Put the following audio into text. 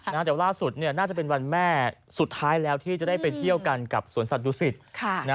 เนื้อน่าจะเป็นวันแม่สุดท้ายแล้วที่จะได้ไปเที่ยวกันกับสวนสัตว์ยุสิตร